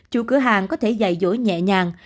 chủ cửa hàng có thể dạy dỗ nhẹ nhàng